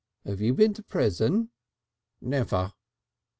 'Ave you been to prison?" "Never."